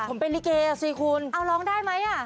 ผมเป็นลิเกอ่ะสิคุณเอาร้องได้ไหมอ่ะ